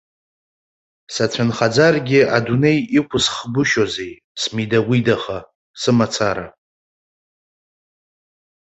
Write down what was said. Сацәынхаӡаргьы, адунеи иқәысхгәышьозеи, смидагәидаха, сымацара!